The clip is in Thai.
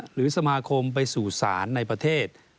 หรือสมาคมไปสู่ศาลในประเทศ